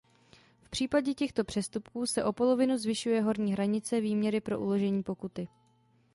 V případě těchto přestupků se o polovinu zvyšuje horní hranice výměry pro uložení pokuty.